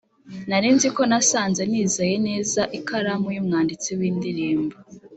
nari nzi ko nasanze nizeye neza ikaramu yumwanditsi windirimbo